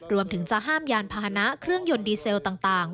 รวมถึงจะห้ามยานพาหนะเครื่องยนต์ดีเซลต่าง